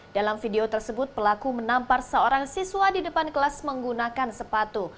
dalam video tersebut pelaku menampar seorang siswa di depan kelas menggunakan sepatu